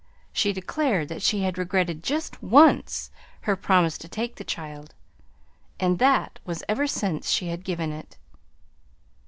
She declared that she had regretted just ONCE her promise to take the child and that was ever since she had given it.